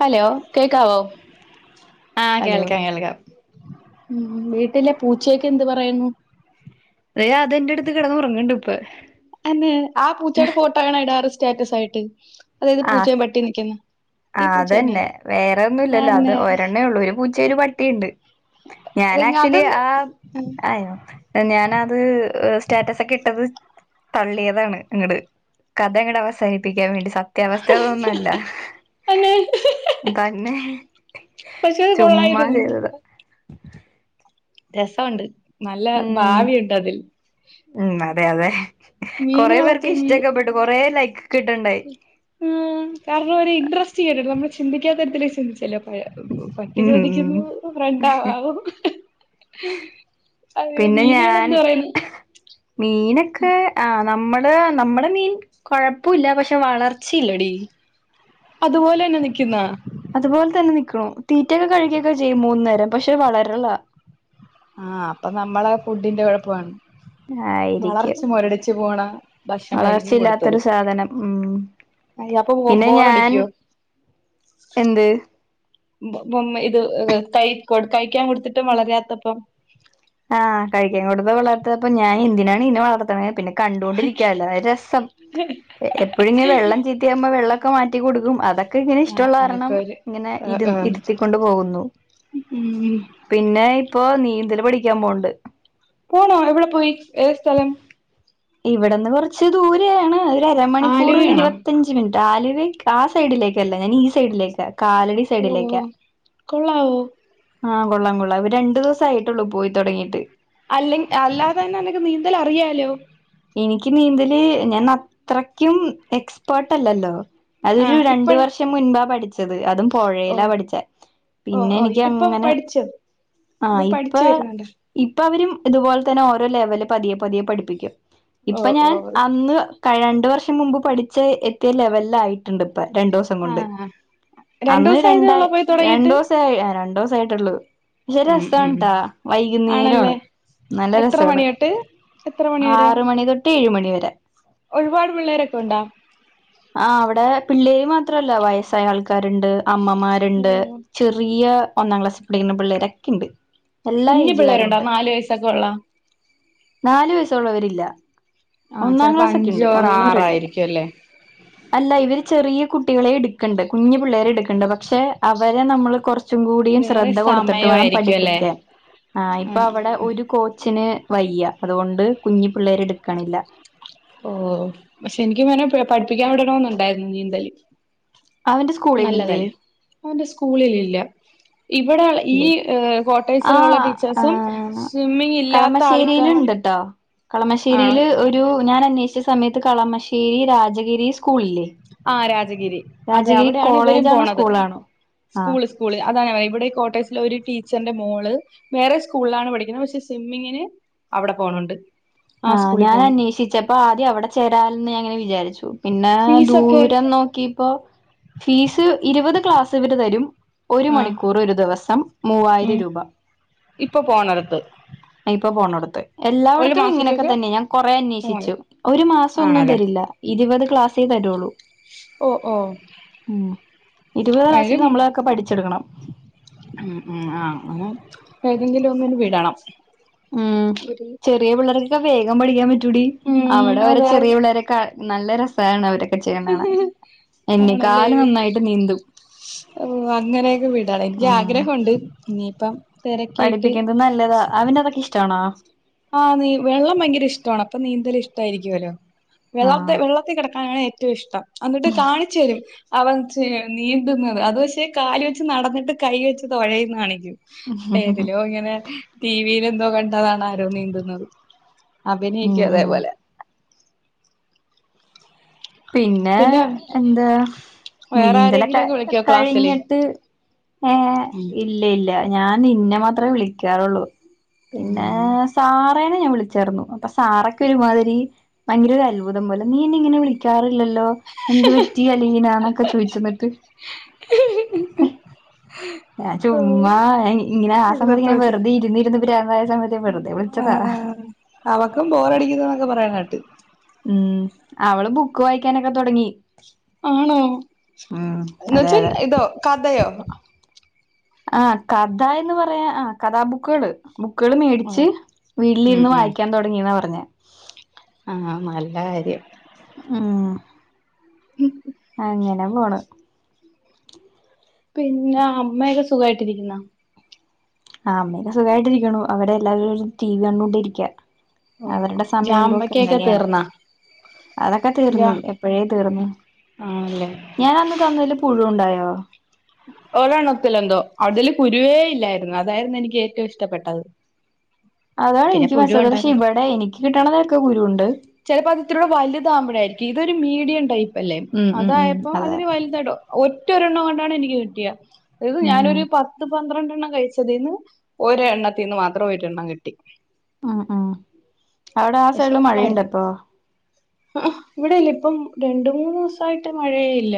Hello കേക്കാവോ- ആഹ് hello കേൾക്കാം കേൾക്കാം ഉം വീട്ടിലെ പൂച്ചയൊക്കെ എന്ത് പറയുന്നു അതിന്റെ അടുത്ത് കിടന്ന്റങ്ങുന്നുണ്ട് ഇപ്പൊ അന്നെ ആ പൂച്ചയുടെ ഫോട്ടോ ആണോ ഇടാറ് സ്റ്റാറ്റസ് ആയിട്ട് അതായത് ആ- പൂച്ചയും പട്ടി നിക്കുന്ന ആ ഈ പൂച്ച തന്നെ അതന്നെ ഇത് വേറെ ഒന്നുംല്ലല്ലോ അത് അന്നെ ഒരെണ്ണേ ഉള്ളൂ ഒരു ഒരു പട്ടിയുണ്ട് ഞാൻ അതെങ്ങ അത് ആക്ച്വലി ആ [unintelligible] ഞാന് അത് സ്റ്റാറ്റസ് ഒക്കെ ഇട്ടത് തള്ളിയതാണ് ഇങ്ങട് കഥ ഇങ്ങട്ട് അവസാനിപ്പിക്കാൻ വേണ്ടി സ സത്യാവസ്ഥ ഇതൊന്നുമല്ല അന്നെ തന്നെ ഹ്ഹ് പക്ഷെ അത് ചുമ്മാ കൊള്ളായിരുന്നു ചെയ്തത് രസമുണ്ട് നല്ല ഉം ഭാവിയുണ്ട് അതിൽ ഉം അതെ അതെ കൊറെ മീനുകളൊക്കെ പേർക്ക് മീൻ ഇഷ്ടമക്കെ പെട്ടു കൊറെ ലൈക്ക്ക്കെ ഇട്ടുണ്ടായി ആ കാരണംര് ഇൻടറ്രസ്റ്റി കേറി നമ്മള് ചിന്തിക്കാത്തരത്തി ചിന്തിച്ചല്ലോ പഴ പറ്റി ഉം ഉം ചോദിക്കുന്നു ഫ്രണ്ടവും അതോ പിന്നെ മീനുകൾ ഞാൻ എന്താ പറയുന്നു മീനൊക്കെ ആ നമ്മ നമ്മടെ നമ്മുടെ മീൻ കുഴപ്പമല്ല പക്ഷെ വളർച്ചയില്ലടി അതുപോലെന്നെ നിക്കുന്ന അതുപോലെ തന്നെ നിക്കണു തീറ്റൊക്കെ കഴിക്കിയൊക്കെ ചെയ്യും മൂന്നു നേരം പക്ഷെ വളരെള്ളാ ആഹ് അപ്പൊ നമ്മള ഫുഡിന്റെ കുഴപ്പണ് ആയിരിക്കും വളർച്ച മുരടിച്ചു പോണ ഭക്ഷണമായിരിക്കും വളർച്ചയില്ലാത്തൊരു കൊടുത്തത് സാധനം ഉം അയ്യ അപ്പൊ പിന്നെ ഞാൻ ബോറടിക്കോ -എന്ത് [unintelligible] ഇത് കൈ കഴിക്കാൻ കൊടുത്തിട്ടും വളരാത്തപ്പ ആഹ് കഴിക്കാൻ കൊടു വളരത്തപ്പോ ഞാൻ എന്തിനാണ് ഇന്നെ വളർത്തണത് പിന്നെ കണ്ടുകൊണ്ടിരിക്കല്ലോ രസം എപ്പഴും ഇങ്ങെ വെള്ളം ചീത്തിയാകുമ്പോ വെള്ളക്കെ മാറ്റിക്കൊടുക്കും അതൊക്കെ ഇങ്ങനെ ആഹ് ഇഷ്ടമുള്ള അതൊക്കെ കാരണം ഒരു ഇങ്ങന ആഹ് [unintelligible] ആഹ് ഇരുത്തിക്കൊണ്ട് പോകുന്നു ഉം ഇപ്പൊ നീന്തൽ പഠിക്കാൻ പോണ്ട് പോണോ എവിടെ പോയി ഏത സ്ഥലം ഇവിടന്ന് കുറച്ച് ദൂരെയാണ് ഒരു അരമണിക്കൂർ ആലുവയാണോ ഇരുപത്തഞ്ച് മിനിറ്റ് ഡാലുവെ ആ സൈഡിലേക്കല്ല ഞാൻ ഈ സൈഡിലേക്ക് കാലടി സൈഡിലേക്ക് ഓഹ് കൊള്ളാവോ ആഹ കൊള്ളാം കൊള്ളാം ഒരു രണ്ടു ദിവസം ആയിട്ടുള്ളൂ പോയി തുടങ്ങിയിട്ട് അല്ല അല്ലാതെ തന്നെ അനക്ക് നീന്തൽ അറിയാലോ എനിക്ക് നീന്തല് ഞാൻ അത്രക്കും- എക്സ്പേർട്ട അല്ലല്ലോ അതൊരു ആഹ് രണ്ട ഇപ്പഴ വർഷം മുൻപാ പഠിച്ചത് അതും പുഴയിലാ ഓഹ് പഠിച്ച ഓഹ് പിന്നെ ഓഹ് എനിക്ക് ഇതിപ്പം അങ്ങനെ പഠിച്ചോ ആഹ ഇത് ഇപ്പ പഠിച്ചു വരുന്നുണ്ടോ ഇപ്പ അവരും. ഇതുപോലെ തന്നെ ഓരോ ലെവല് പതിയെ പതിയെ പഠിപ്പിക്കും ഇപ്പൊ ഓഹ് ഞാൻ ഓഹ് അന്ന് കഴണ്ട. രണ്ട് വർഷം മുമ്പ് പഠിച്ച എത്തിയ ലെവലായിട്ടുണ്ട്. രണ്ട ദിവസം കൊണ്ട് ആഹ് അന്ന് രണ്ടൂസം ആയതേ രണ്ട ഒള്ളോ പോയി രണ്ട തൊടങ്ങീട്ട് ദിവസ രണ്ട- യിട്ടൊള്ളു. പക്ഷെ രസാൻട്ടാ ആണല്ലേ വൈകുന്നേരമാണ് നല്ല എത്ര രസമാണ്. മണി തൊട്ട് എത്ര മണി വരെ ആറ് മണി തൊട്ട് ഏഴു മണിവരെ. ഒരുപാട് പിള്ളേരൊക്കെ ഉണ്ടോ ആ അവിടെ പിള്ളേ. മാത്രല്ല വയസ്സായ ആൾക്കാരുണ്ട് അമ്മമാരുണ്ട് ഓഹ് ചെറിയ- ഒന്നാം ക്ലാസ് പടിക്കുന്ന പിള്ളേരൊക്കെ ണ്ട് കുഞ്ഞു പിള്ളേരുണ്ടോ നാല് വയസ്സൊക്കെ ള്ള. നാലു വയസുള്ളവരില്ല. ആഹ് ഒന്നാം ചെലപ്പോ ക്ലാസ് ഒക്കെ അഞ്ച് ണ്ട് ഓർ ഒന്നും രണ്ടൊക്കെ ആറായിരിക്കും അല്ലേ അല്ല ഇവര് ചെറിയ കുട്ട. കുട്ടികളെ എടുക്കുന്നുണ്ട് കുഞ്ഞു പിള്ളേരെ എടുക്കുന്നുണ്ട് പക്ഷെ അവരെ നമ്മള് കുറച്ച്- ച്ചും കൂടിയും വേറെ ശ്രദ്ധ കൊടുത്തിട്ട് വേണം സമയമായിരിക്കും അല്ലേ പഠിപ്പിക്കാൻ ആ ഇപ്പൊ ഉം അവിടെ ഉം ഒരു കോച്ചിന്- വയ്യ അതുകൊണ്ട് കുഞ്ഞി പിള്ളേര് എടുക്കണില്ല. ഓ പക്ഷെ എനിക്ക് ഇവനെ പഠിപ്പിക്കാൻ വിടണന്നുണ്ടായിരുന്നു നീന്തല്. അവന്റെ സ്കൂളിലില്ലേ നല്ലതല്ലേ അവന്റെ സ്കൂളിലില്ല. ഇവിടെ ഈ ഇല്ലേ ആ കോട്ടേഴ്സിലുള്ള ആ ടീച്ചേഴ്സും സ്വിമ്മിങ് ഇല്ലാത്ത ആൾക്കാർ. കേട്ടോ കളമശ്ശേരിൽ ഒരു ഞാൻ അന്വേഷിച്ച സമയത്ത് കളമശ്ശേരി രാജഗിരി- സ്കൂളല്ലേ ആ രാജഗിരി അതെ രാജഗിരി അവിടെയാണ് ഇവരും കോളേജാണോ പോണത് സ്കൂളാണോ? ആ സ്കൂള് സ്കൂള് അതാണ് അവ- ഇവിടെ കോട്ടേസില ഒരു ടീച്ചറിന്റെ മോള് വേറെ സ്കൂളിലാണ് പഠിക്കുന്നത് പക്ഷെ സ്വിമ്മിങ്ങിന്. അവിടെ പോണുണ്ട്. ആ ആഹ് സ്കൂളിൽ ഞാൻ പോണ് അന്വേഷിച്ച പ്പൊ ആദ്യം അവിടെ ചേരാാലന്ന്ഞങ്ങനെ വിചാരിച്ചു. പിന്നെ ഫീസൊക്കെ ദൂരം നോക്കിപ്പോൊ ഫീസ് ഇരുപത് ക്ലാസ് ഇവര് തരും. ഒരു ആ മണിക്കൂർ ഒരു ദിവസം മൂവായിരം ഉം രൂപ. ഇപ്പൊ പോ. ഇപ്പൊ പോണട. ഒരു എല്ലായിടത്തും ഇങ്ങനെയൊക്കെ മാസത്തേക്ക് തന്നെ ഞാൻ കൊറ പോണം അന്വേഷിച്ചു ഒരു മാസം ഒന്നും ആണല്ലേ തരില്ല. ഇരുപത് ക്ലാസ്സേ തരുള്ളൂ. ഓ ഓ മ് ഇരുപത് ക്ലാസിില് നമ്മളൊക്കെ പഠിച്ചെടുക്കണം. മ് മ് ആ ഏതെങ്കിലും ഒന്നിന് വിടണം. മ് ഒരു ചെറിയ പിള്ളേർക്കൊക്കെ വേഗം പഠിക്കാൻ പറ്റൂടി ഉം അവിടെ രെ അതെ ചെറിയ പിള്ളേരെക്കെ- നല്ല രസാണ് അവരൊക്കെ ചെയ്യണ കാണാൻ എന്നെ ആണല്ലേ കാല് നന്നായിട്ട് നീന്തും. ഓ അങ്ങനെയൊക്കെ വീടാണ് എനിക്ക് ഉം ആഗ്രഹുണ്ട് ഇനിയിപ്പം. തിരക്കിയിട്ട് പഠിപ്പിക്കുന്നത് നല്ലതാ അവന്റെ അതൊക്കെ ഇഷ്ടമാണോ? ആ നീ വെള്ളം ഭയങ്കര ഇഷ്ടമാണ് അപ്പൊ നീന്തൽ ഇഷ്ടമായിരിക്കുവല്ലോ. വെള്ളത്തെ ആഹ് വെള്ളത്തിൽ കിടക്കാനാണ് ഏറ്റവും ഇഷ്ടം എന്നിട്ട് കാണിച്ചു വരും. അവൻ നീന്തുന്നത് അത് പക്ഷേ കാല വെച്ച് നടന്നിട്ട് കൈ വെച്ച് തഴയുന്നാണെങ്കും. ഏതിലോ ഇങ്ങനെ ടി വിൽ എന്തോ കണ്ടതാണ് ആരോ നീന്തുന്നത്. ഉം അഭിനയിക്കും ഉം അതേപോലെ. പിന്നെ എന്താ വേറെ നീന്തല ആരെങ്കിലും ക ഒക്കെ വിളിക്കോ ക്ലാസ്സില് കഴിഞ്ഞിട്ട്. ഏ ഉം ഇല്ല ഇല്ല ഞാൻ നിന്നെ മാത്രമേ വിളിക്കാറുള്ളൂ. പിന്നെ ആണോ സാ- സെ ഞാൻ വിളിച്ചിരുന്നു അപ്പൊ സാറൊക്കെ ഒരുമാതിരി ഭയര ഒരു അത്ഭുതം പോലെ നീ എന്ന ഇങ്ങനെ വിളിക്കാറ്- ല്ലല്ലോ എന്ത് പറ്റി അലീനന്നൊക്കെ ചോയിച്ചന്നിട്ട്. ഞാൻ ഓ ചുമ്മ ഇങ്ങനെ ആ ഇതാ സമയത്ത് ഇങ്ങനെ പഠിച്ച വെറുതെ ഇരുന്നിരുന്ന് പ്രാന്താ യ സമയത്ത് വെറുതെ വിളിച്ച- ആ ആ അവക്കും ബോ രടിക്കുന്ന എന്നൊക്കെ പറയാന കേട്ട്. മ് അവള് ബുക്ക് വായിക്കാനൊക്കെ തുടങ്ങി. ആണോ ഉം എന്ന അതെ വച്ചാ അതെ ഇതോ കഥയോ? ആ കഥ എന്ന് പറയാ ആ കഥാബുക്കുകള്. ബുക്കുകൾ മേടിച്ച് വീട്ടിലിരുന്ന് വായിക്കാൻ തുടങ്ങിയന്നാ പറഞ്ഞെ. ആനല്ല കാര്യം. ആ ഉം അങ്ങനെ പോണ് പിന്നെ അമ്മയൊക്കെ സുഖായിട്ടിരിക്കുന്നോ? ആ അമ്മയൊക്കെ സുഖയിട്ടിരിക്കണ് അവിടെ എല്ലാവരും ടി വി കണ്ടൊണ്ടി ഇരിക്ക. അവരുടെ സമയം പോക്കെ ജാമ്പക്കൊക്കെ അങ്ങനെയാണ്. തീർന്നാ അതൊക്കെ ജാ തീർന്ന് എപ്പോയെ തീർന്ന് ആണല്ലേ ഞാൻ അന്ന് തന്നതില് പുഴു ഉണ്ടായോ ല്ലായിരുന്നു അതായിരുന്നു എനിക്ക് ഏറ്റവും ഇഷ്ടപ്പെട്ടത്. അതാണ് പിന്നെ എനിക്ക് പുഴു മസ്സത് ഉണ്ടായിരുന്നു പക്ഷെ ഇവിടെ എനിക്ക് കിട്ടണതൊക്കെ കുരുവുണ്ട് ചിലപ്പോ അത് ഇത്രൂടെ വലുതവുമ്പഴായിരിക്കും ഇതൊരു മീഡിയം ടൈപ്പ് ല്ലേ ഉം ഉം ഉം അതായപ്പം അതെ അതിന് വലുതട ഒറ്റൊരെണ്ണം കൊണ്ടാണ് എനിക്ക് കിട്ടിയ. ഏത് ഉം ഉം ഞാനൊരു പത്ത് പന്ത്രണ്ടെണ്ണം കഴിച്ചതിൽന്ന് ഒര് എണ്ണത്തി നിന്ന് മാത്രം ഒര് എണ്ണം കിട്ടി. ഉം ഉം അവിടെ ആ സൈഡില് മഴയുണ്ടപ്പൊ? ഉം ഉം ഇവിടെല്ല ഇപ്പം രണ്ട് മൂന്ന് ദിവസായിട്ട് മഴയെയില്ല.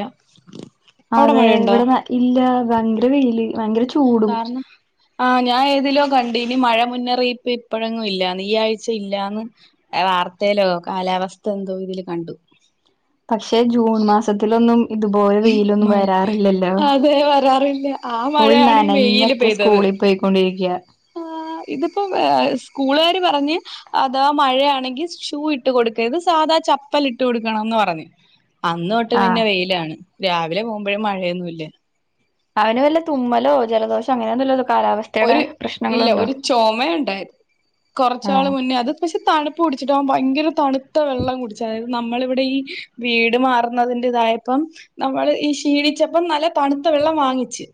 അതെ ഇവിടെ ഇല്ല ഭയങ്കര വെയില് ഭയങ്കര ചൂ കാരണം ആഞാൻ ഏതിലോ കണ്ടഇനി മഴ മുന്നറിയിപ്പ് ഇപ്പഴങ്ങും ഇല്ലന്ന് ഈ ആഴ്ച ഇല്ലന്ന് വാർത്തയിലോ കാലാവസ്ഥ എന്തോ ഇതില് കണ്ടു. പക്ഷെ ജൂൺ മാസത്തിലൊന്നും ഇതുപോലെ വെയിലൊന്നും മഴ വരാറില്ലല്ലോ? അതെ വരാറില്ല ആ ഫുൾ മഴയാണ് നനഞ്ഞൊക്കെ സ്കൂളിൽ പോയിക്കൊണ്ടിരിക്ക. യാ ആ ആ ഇതിപ്പോ ആ സ്കൂളുകാർ പറഞ്ഞു അഥവാ മഴയാണെങ്കിൽ ഷൂ ഇട്ട് കൊടുക്കരുത് സ താ ചപ്പല് ഇട്ട് കൊടുക്കണംന്ന് പറഞ്ഞ് അന്ന് തൊട്ട് ആഹ് പിന്നെ വെയിലാണ്. രാവിലെ പോവുമ്പോഴും മഴയൊന്നുല്ല. അവന് വല്ല തുമ്മലോ ജലദോഷോ അങ്ങനെഒന്നുല്ലല്ലോ. ഒരു ഇല്ല ഒരു ചുമ ഉണ്ടായത് കൊറച്ചാള് ആഹ് മുന്നേ അത് പക്ഷെ തണു പ്പ പുടിച്ചിട്ടാ ഭയങ്കര തണുത്ത വെള്ളം കുടിച്ച അതായത് നമ്മളിവിടെ ഈ വീട് മാറുന്നതിന്റെറ ഇതായപ്പ നമ്മള് ഈ ക്ഷീണിച്ചപ്പ നല്ല തണുത്ത വെള്ളം വാങ്ങിച്ച്.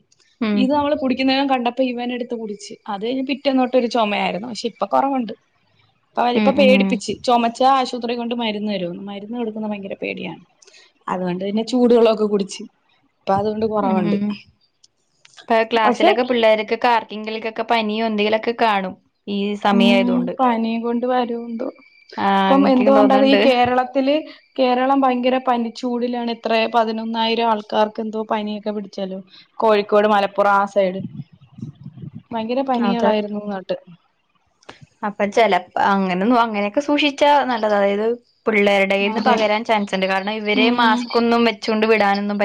ഉം ഇത് നമ്മള് കുടിക്കുന്നതിനും കണ്ട അപ്പൊ ഇവന് എടുത്ത് കുടിച്ച് അത് കഴിഞ് പിറ്റന്നോട്ടരു ചുമയായിരുന്നു പക്ഷെ ഇപ്പൊ കുറവുണ്ട്. അപ്പ അവര് ഉം ഇപ്പൊ ഉം പേടിപ്പിച്ച് ചുമച്ച ആശുത്രി കൊണ്ട് മരുന്ന് വരുന്ന് മരുന്ന് കൊടുക്കുന്നത് ഭയങ്കര പേടിയാണ് അതുകൊണ്ട് പിന്നെ ചൂടുവെള്ളോക്കെ കുടിച്ച്. ഇപ്പൊ അതുകൊണ്ട് ഉം കുറവുണ്ട് ഉം ഇപ്പൊ പക്ഷെ ക്ലാസ്സിലൊക്കെ പിള്ളേർക്കെ കാർക്കിങ്കലൊക്കൊ പനിയോ എന്തെലുമൊക്കെ കാണും ഈ സമയ ആയതൊണ്ട്. വരുന്ത ഇപ്പം എന്തുകൊണ്ട ഈ തോന്നുന്നുണ്ട് കേരളത്തില് കേരളം ഭയങ്കര പനി ചൂടിലാണ് എത്രയ പതിനൊന്നായിരം ആൾക്കാർക്ക് എന്തോ പനിയൊക്കെ പിടിച്ചാലോ കോഴിക്കോട് മലപ്പുറം ആ സൈഡില് ഭയങ്കര അതെ പനികളായിരുന്നു നാട്ട് അപ്പൊ ചെിലപ്പ അങ്ങനെ അങ്ങനെയൊക്കെ സൂക്ഷിച്ചാ നല്ലത് അതായത് പുള്ളേരുടെയ്ന്ന് അതെ പകരാൻ ചാൻസ് ഉണ്ട്. കാരണം ഇവരെ മാസ്ക്ന്നും വെച്ചുകൊണ്ട് വിടാനൊന്നും പ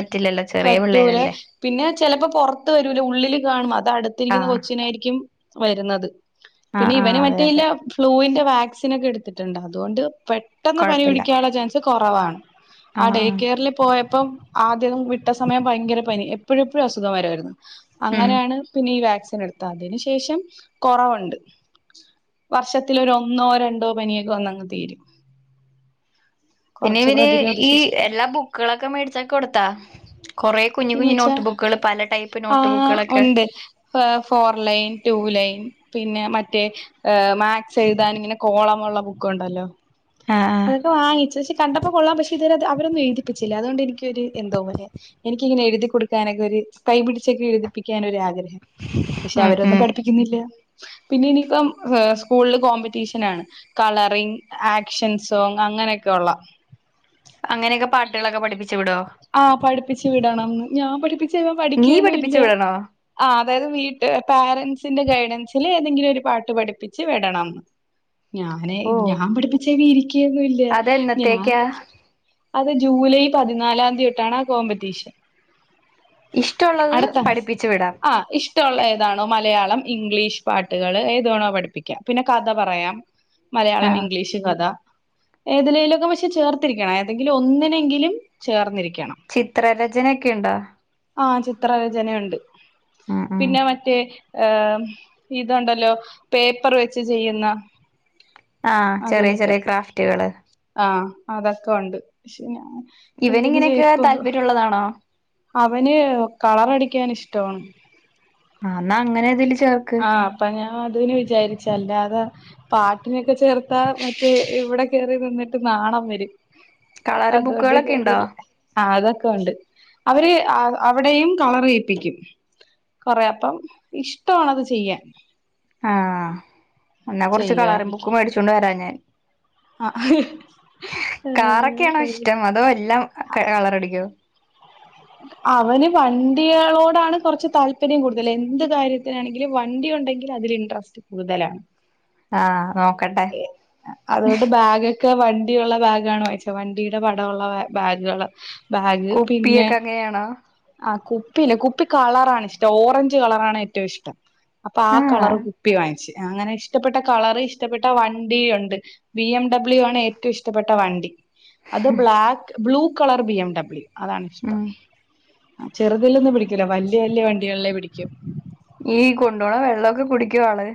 പറ്റൂലെ പിന്നെ ചിലപ്പോ പുറത്ത് വരൂല ഉള്ളില് കാണും അത് അടുത്തിരിക്കുന്ന ആഹ് കൊച്ചിനായിരിക്കും. വരുന്നത് ആഹ് പിന്നെ ആഹ് ഇവന് അതെ മറ്റേല്ല അതെ ഫ്ലൂവിന്റെ വാക്സിൻ ഒക്കെ എടുത്തിട്ടുണ്ട് അതുകൊണ്ട് പെട്ടെന്ന് പനി കൊഴപ്പില്ല പിടിക്കാനുള്ള ചാൻസ് കുറവാണ്. ആ ആഹ് ഡേ ആഹ് കെയറിൽ പോയപ്പോ പ്പം ആദ്യം വിട്ട സമയം ഭയങ്കര പനി എപ്പോഴെപ്പോഴും അസുഖം വരയിരുന്നു. ഉം അങ്ങനെയാണ് പിന്നെ ഈ വാക്സിൻ എടുത്താതിതിന് ശേഷം കൊറവുണ്ട്. വർഷത്തിലൊര് ഒന്നോ രണ്ടോ പനിയൊക്കെ വന്നങ്ങ് തീരും. പിന്നെ കൊറച്ച് പിന്ന പ്രതിരോധ ഈ ശേഷി എല്ലാ ബുക്കുകളൊക്കെ മേടിച്ചാക്ക കൊടുത്താ കൊറെ കുഞ്ഞു കുഞ്ഞു എന്ന്വച്ചാ നോട്ട് ബുക്കുകൾ പല ടൈപ്പ് ആ നോട്ട് ബുക്കുകളൊക്കെ ഉണ്ട് ഫോർ ലൈൻ ടു ലൈൻ പിന്നെ മറ്റേ മാത്സ് എഴുതാൻ ഇങ്ങനെ കോളമുള്ള ബുക്ക് ഉണ്ടല്ലോ ആഹ് ആഹ് അതൊക്കെ വാങ്ങിച്ചു പക്ഷെ കണ്ടപ്പോ കൊള്ളാൻ പക്ഷെ അത് അവരൊന്നും എഴുതിപ്പിച്ചില്ല അതുകൊണ്ട് എനിക്കൊരു എന്തോപലെ എനിക്കിങ്ങെഴുതി കൊടുക്കാനൊക്കെ ഒരു കൈ പിടിച്ചക്കി എഴുതിപ്പിക്കാനൻ ഒരു ആഗ്രഹം പക്ഷെ ഉം അവരൊന്നും ഉം പഠിപ്പിക്കുന്നില്ല പിന്നെ ഇനിപ്പം സ്കൂളില് കോമ്പറ്റീഷന ആണ് കളറി ആക്ഷൻ സോ അങ്ങനെയൊക്കെയ ഉള്ള അങ്ങനെയൊക്കെ പാട്ടുകളൊക്കെ പഠിപ്പിച്ചു വിടോ ആ പഠിപ്പിച്ച് വീടാണം ഞാൻ പഠിപ്പ നീ പഠിക്കുന്നിയില്ല പഠിപ്പിച്ചു വിടണോ അതായത് വീട്ടുകാര് പാരൻസ് ന്റെ ഗൈഡൻസിൽ ഏതെങ്കിലും ഒരു പാട്ട് പഠിപ്പിച്ച് വിടണംന്ന് ഞാനെ ഓ ഞാൻ പഠിപ്പിച്ച വി ഇരിക്കുകൊന്നുംല്ല ഞൻ അതെന്നത്തേക്കാ അത് ജൂലൈ പതിനാലാം തീയതി തൊട്ടാണ് ആ കോമ്പറ്റീഷൻ ഇഷ്ടമുള്ളത് അടുത്ത പഠിപ്പിച്ചു വിടാം ആ ഇഷ്ടമുള്ള ഏതാണോ മലയാളം ഇംഗ്ലീഷ് പാട്ടുകള് ഏതോണോ പഠിപ്പിക്കാം പിന്നെ കഥ പറയാം മലയാളം ആഹ് ഇംഗ്ലീഷ് കഥ ഏതിലെലൊക്കെ പക്ഷെ ചേർത്തിരിക്കണം ഏതെങ്കിലും ഒന്നിനെങ്കിലും ചേർന്നിരിക്കണം ചിത്രരചന ഒക്കെുയുണ്ടോ ആ ചിത്രരചനുണ്ട് ഉം ഉം പിന്നെ മറ്റേ ഏ ഇതുണ്ടല്ലോ പേപ്പർ വെച്ച് ചെയ്യുന്ന ആ ചെറിയ അതിനൊക്കെ ചെറിയ ക്രാഫ്റ്റുകള് ആഹ് അതൊക്കെ ഉണ്ട് പക്ഷെ ഞൻ ഇവൻ ഇങ്ങനെയൊക്കെ താല്പര്യമുള്ളതാണോ അവന് കളർടിക്കൻ ഇഷ്ടമാണ് ആ എന്നാ അങ്ങനെതി ആ അപ്പൊ ഞാൻ അതിന് വിചാരിച്ചല്ലാ അതെ പാട്ടിനൊക്കെ ചേർത്താ മറ്റേ ഇവിടെ കേയറി നിന്നിട്ട് നാണം വരും കളറിംഗ് അതുകൊണ്ട് ബുക്കുകളൊക്കെ ഉണ്ടോ കേറില്ല ആ അതൊക്കെ ഉണ്ട് അവര് അവിടെയും കളറിയിപ്പിക്കും കൊറെ അപ്പം ഇഷ്ടണ് അത് ചെയ്യാൻ ആ എന്നെ കുറച്ച് ചെയ്യാൻ കളറും ബുക്കും മേടിച്ചോണ്ട് വരാ ഞാൻ ആഹ് കാറൊക്കെയാണോ ഇഷ്ടം അതോ എല്ലാം കളർടിക്കോ അവന് വണ്ടികളോടാണ് കുറച്ച് താല്പര്യം കൂടുതൽ എന്ത് കാര്യത്തിനാണെങ്കിലും വണ്ടി ണ്ടെങ്കിൽ അതിൽ ഇൻട്രസ്റ്റ് കൂടുതലാണ് ആ ഓ അതൊണ്ട് ബാഗ ഒക്കെ ക്കെ വണ്ടിയുള്ള ബാഗാണ് വായിച്ചത് വണ്ടിയുടെ പടമള്ള ബാഗുകള് ബാഗ് പിന്നെ കുപ്പിയൊക്കെ അങ്ങനെയാണോ ആ കുപ്പി ഇല്ല കുപ്പി കളറ ആണ് ഇഷ്ടം ഓറഞ്ച് കളറാണ് ഏറ്റവും ഇഷ്ടം അപ്പൊ ആ ആഹ് കളർ കുപ്പി വാങ്ങിച്ച് അങ്ങനെ ഇഷ്ടപ്പെട്ട കളർ ഇഷ്ടപ്പെട്ട വണ്ടിയുണ്ട് ബി എം ഡബ്ല്യു ആണ് ഏറ്റവും ഇഷ്ടപ്പെട്ട വണ്ടി അത് black blue colour B M W അതാണ് ഇഷ്ടം ഉം ചെറുതിൽ ഒന്നും പിടിക്കൂല വല്യ വല്യ വണ്ടികളിലേ പിടിക്കും ഈ കൊണ്ട പോണ വെള്ളമൊക്കെ കുടിക്കുവ ആള്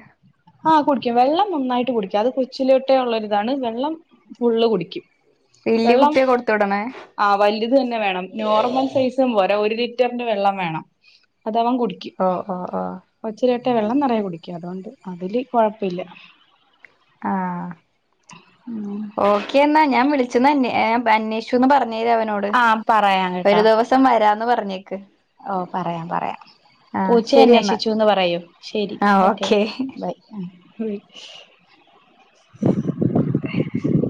ആ കുടിക്കും വെള്ളം നന്നായിട്ട് കുടിക്കും അത് കൊച്ചിലോട്ടേ ഉള്ളരിതാണ് വെള്ളം ഫുള്ള് കുടിക്കും വല്യ വെള്ളം കുപ്പിയാ കൊടുത്തു വിടണേ ആ വലുത് തന്നെ വേണം നോർമൽ സൈസും പോര ഒരു ലി ന്റെ വെള്ളം വേണം അത അവൻ കുടിക്കും ഓഹ് ഓഹ് ഓഹ് കൊച്ചി വെള്ളം നിറയെ കുടിക്കും അതുകൊണ്ട് അതില് കുഴപ്പമില്ല ആഹ ഓക്കെ എന്നാ ഞാൻ വിളിച്ചന്ന് അന്വേഷുച്ചുന്ന് പർഞ്ഞ അവനോട് ആഹ് പറയാം ഒരു ദിവസം വരാന്ന് പറഞ്ഞേ ഓ പറയാം പറയാം. ആഹ് പൂച്ചയ ശരി എന്നാ അന്വേഷിച്ചുന്ന് പറയൂ ശരി ഓക്കെ ബൈ. എം.